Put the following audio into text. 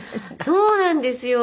そうなんですよ。